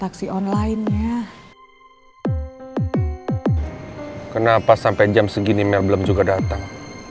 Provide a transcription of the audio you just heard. kenapa sampai jam segini mel belum juga datang